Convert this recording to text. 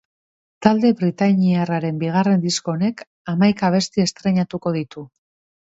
Talde britainiarraren bigarren disko honek hamaika abesti estreinatuko ditu.